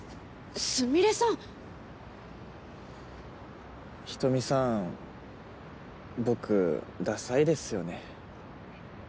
スミレさん人見さん僕ダサいですよね